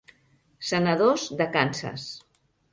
Senadors de Kansas.